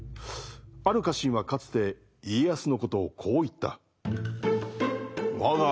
ある家臣はかつて家康のことをこう言った。